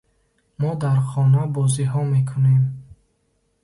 Мо дар хона бозиҳо мекунем.